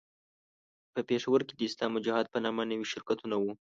په پېښور کې د اسلام او جهاد په نامه نوي شرکتونه وو.